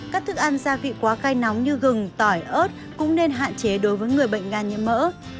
các thức ăn gia vị quá khay nóng như gừng tỏi ớt cũng nên hạn chế đối với người bệnh gan nhiễm mỡ